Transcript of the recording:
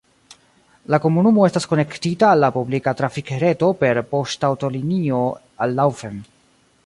La komunumo estas konektita al la publika trafikreto per poŝtaŭtolinio al Laufen.